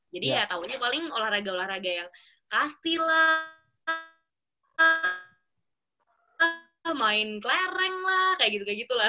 jadi ya taunya paling olahraga olahraga yang kasti lah main klereng lah kayak gitu gitu lah